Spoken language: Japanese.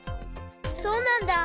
そうなんだ。